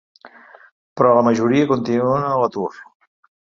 Però la majoria continuen a l’atur.